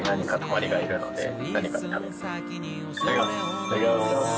いただきます。